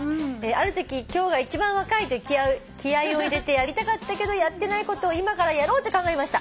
「あるとき今日が一番若いと気合を入れてやりたかったけどやってないことを今からやろうと考えました」